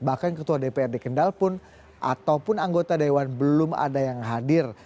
bahkan ketua dprd kendal pun ataupun anggota dewan belum ada yang hadir